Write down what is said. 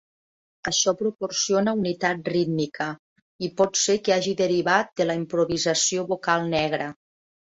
Això proporciona unitat rítmica i pot ser que hagi derivat de la improvisació vocal negra.